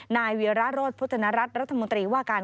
นายเวียระโรธพุทธนรัฐรัฐมนตรีว่าการ